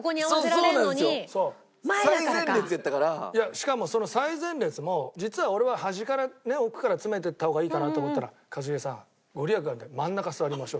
しかもその最前列も実は俺は端からね奥から詰めていった方がいいかなと思ったら「一茂さん御利益あるから真ん中座りましょう」っつって。